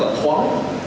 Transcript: cái nào mình không cấm